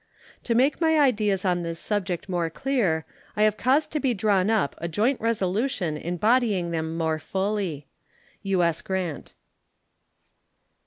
To make my ideas on this subject more clear, I have caused to be drawn up a joint resolution embodying them more fully. U.S. GRANT.